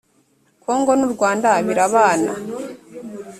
kongo n u rwanda birabana